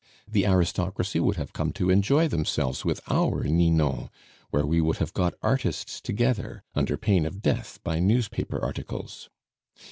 The aristocracy would have come to enjoy themselves with our Ninon, where we would have got artists together, under pain of death by newspaper articles.